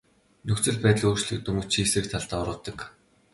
Нөхцөл байдал өөрчлөгдөнгүүт чи эсрэг талдаа урвадаг.